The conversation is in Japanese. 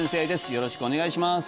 よろしくお願いします